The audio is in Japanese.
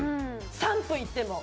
３分いっても。